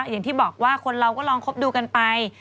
อย่างที่บอกว่าคนเราก็ลองคบดูกันไป